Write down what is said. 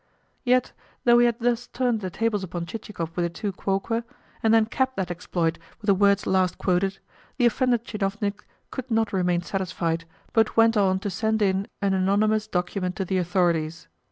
Yet, though he had thus turned the tables upon Chichikov with a tu quoque, and then capped that exploit with the words last quoted, the offended tchinovnik could not remain satisfied, but went on to send in an anonymous document to the authorities.